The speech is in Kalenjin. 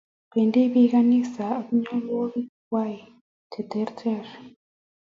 Bendi bik kanisa ak nyalwogik kwai che ter ter